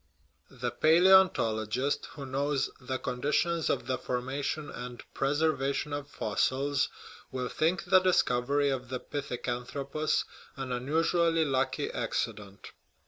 * The palaeontologist, who knows the con ditions of the formation and preservation of fossils, will think the discovery of the pithecanthropus an unusu ally lucky accident.